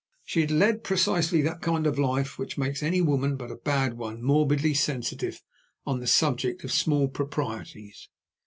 She had led precisely that kind of life which makes any woman but a bad one morbidly sensitive on the subject of small proprieties.